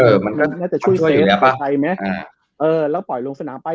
เออมันก็น่าจะช่วยใช่ไหมอ่าเออแล้วปล่อยลงสนามไป